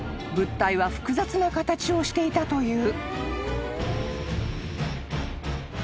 物体は複雑な形をしていたという］